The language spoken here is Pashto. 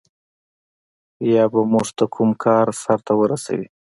یا به موږ ته کوم کار سرته ورسوي.